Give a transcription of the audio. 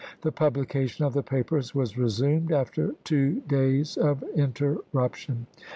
The publication of the papers was resumed after two days of interruption.